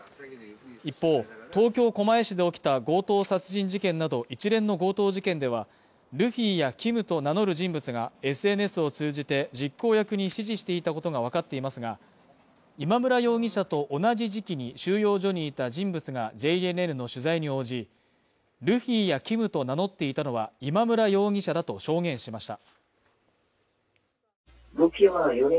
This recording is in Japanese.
一方東京狛江市で起きた強盗殺人事件など一連の強盗事件では、ルフィやＫｉｍと名乗る人物がＳＮＳを通じて実行役に指示していたことがわかっていますが、今村容疑者と同じ時期に収容所にいた人物が、ＪＮＮの取材に応じ、ルフィやＫｉｍと名乗っていたのは今村容疑者だと証言しました。